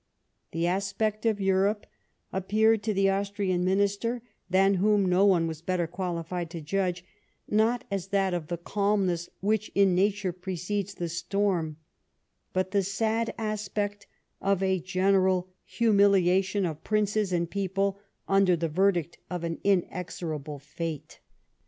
The aspect of Europe appeared to the Austrian Minister, than whom no one was better qualified to judge, not as that of the calmness which, in nature, precedes the storm, '•' but the sad aspect of a general humiliation of princes and people under the verdict of an inexorable fate."